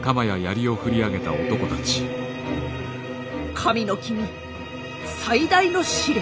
神の君最大の試練。